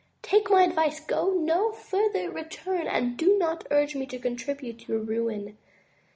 Take my advice. Go no further; return and do not urge me to contribute to your ruin."